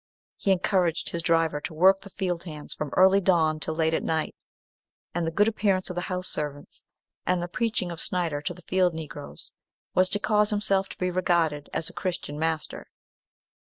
He encouraged his driver to work the field hands from early dawn till late at night; and the good appearance of the house servants, and the preaching of Snyder to the field Negroes, was to cause himself to be regarded as a Christian master.